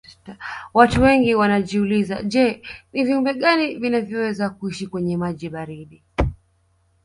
Watu wengi wanajiuliza je ni viumbe gani vinavyoweza kuishi kwenye maji baridi